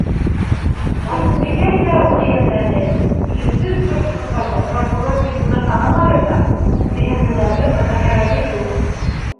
Барсынбикә иһә уны йәлләне: икенсе осрашҡандарында прокурор бит уны танымаясаҡ, зиһенлеләрҙең бында кәрәге юҡ.